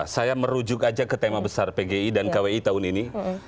saya merujuk aja ke tema besar pgi dan kwi tahun ini